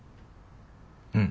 うん。